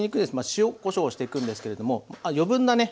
塩・こしょうしていくんですけれども余分なね